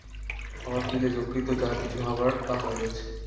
আমার পিলে যকৃৎ যা-কিছু হবার তা হয়ে গেছে।